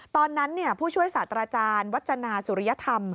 ผู้ช่วยศาสตราจารย์วัจจนาสุริยธรรม